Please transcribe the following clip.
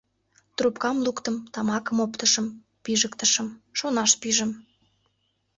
Трупкам луктым, тамакым оптышым, пижыктышым, шонаш пижым.